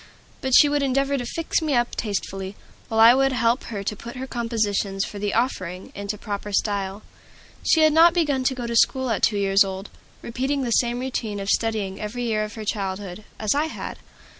But she would endeavor to "fix me up" tastefully, while I would help her to put her compositions for the "Offering" into proper style. She had not begun to go to school at two years old, repeating the same routine of study every year of her childhood, as I had.